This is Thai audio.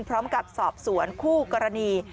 พร้อมกับสอบสวนคู่กรณี